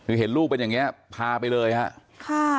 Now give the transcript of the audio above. คือเห็นลูกเป็นอย่างนี้พาไปเลยครับ